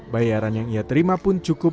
bayaran yang ia terima pun cukup